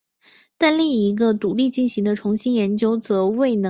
但另一个独立进行的重新研究则未能有相同的发现。